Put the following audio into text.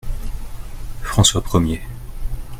François premier.